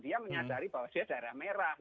dia menyadari bahwa dia daerah merah